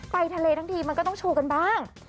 ไปทะเลทั้งทีมันก็ต้องโชว์กันบ้าง